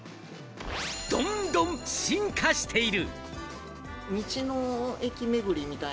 どんどん進化している！